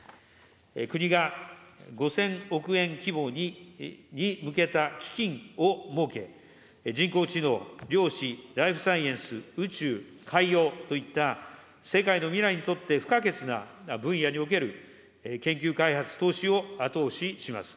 国が５０００億円規模に向けた基金を設け、人工知能、量子、ライフサイエンス、宇宙、海洋といった、世界の未来にとって不可欠な分野における研究開発投資を後押しします。